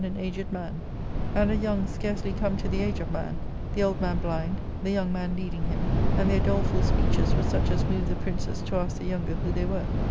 — Book IL and a young scarcely come to the age of man, the old man blind, the young man leading him, and their doleful speeches were such as moved the princes to ask the younger who they were.